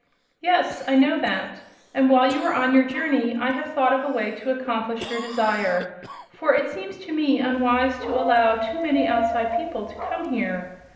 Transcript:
"Yes; I know that. And while you were on your journey I have thought of a way to accomplish your desire. For it seems to me unwise to allow too many outside people to come here.